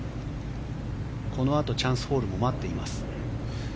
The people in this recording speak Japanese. このあとチャンスホールも待っています。